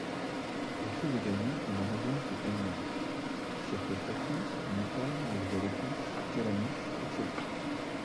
On trouve également une abondance de palmiers: Cyrtostachys, Nypa, Myrialepis, Calamus, etc.